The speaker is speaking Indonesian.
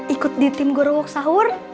ikut di tim goreng goreng sahur